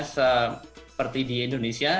seperti di indonesia